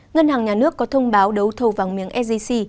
ngân hàng nhà nước có thông báo đấu thầu vàng miếng sgc